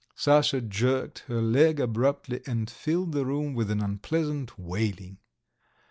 Sasha jerked her leg abruptly and filled the room with an unpleasant wailing.